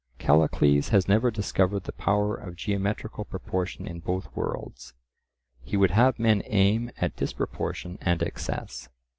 Callicles has never discovered the power of geometrical proportion in both worlds; he would have men aim at disproportion and excess.